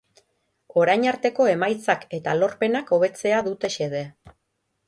Orain arteko emaitzak eta lorpenak hobetzea dute xede.